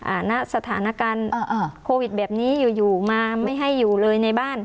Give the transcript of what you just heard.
ณสถานการณ์อ่าโควิดแบบนี้อยู่อยู่มาไม่ให้อยู่เลยในบ้าน